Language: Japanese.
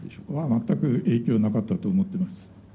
全く影響なかったと思ってます。